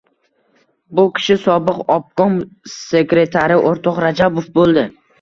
Bu kishi — sobiq obkom sekretari o‘rtoq Rajabov bo‘ldi.